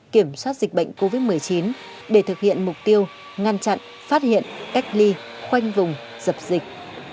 kiểm soát dịch bệnh covid một mươi chín để thực hiện mục tiêu ngăn chặn phát hiện cách ly khoanh vùng dập dịch